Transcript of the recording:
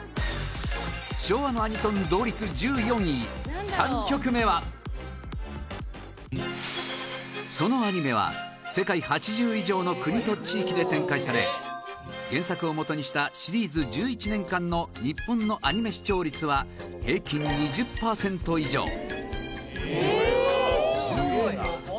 昭和のアニソン、同率１４位３曲目はそのアニメは、世界８０以上の国と地域で展開され原作をもとにしたシリーズ１１年間の日本のアニメ視聴率は平均２０％以上すげえな！